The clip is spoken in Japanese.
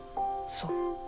そう。